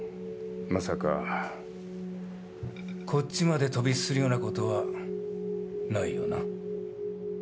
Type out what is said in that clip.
まさかこっちまで飛び火するようなことはないよな？